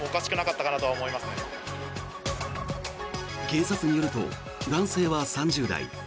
警察によると男性は３０代。